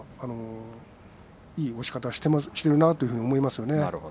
いい押し方をしているなと思います。